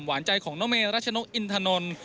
หวานใจของโนเมรัชนกอินทนล